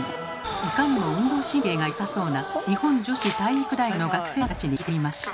いかにも運動神経がよさそうな日本女子体育大学の学生さんたちに聞いてみました。